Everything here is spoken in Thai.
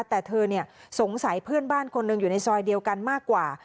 แต่เธอสงสัยเพื่อนบ้านคนหนึ่งอยู่ในซอยเดียวกันมากกว่า